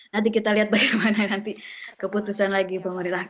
nanti kita lihat bagaimana nanti keputusan lagi pemerintah